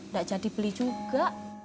gak jadi beli juga